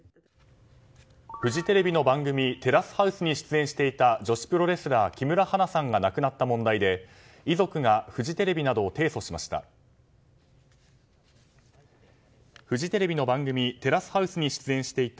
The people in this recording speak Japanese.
フジテレビの番組「テラスハウス」に出演していた女子プロレスラー木村花さんが亡くなった問題で遺族がフジテレビなどを提訴しました。